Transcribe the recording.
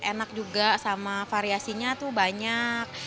enak juga sama variasinya tuh banyak